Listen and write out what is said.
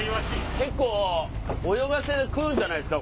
結構泳がせで食うんじゃないですか？